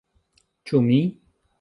- Ĉu mi?